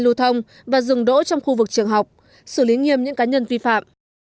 lưu thông và dừng đỗ trong khu vực trường học xử lý nghiêm những cá nhân vi phạm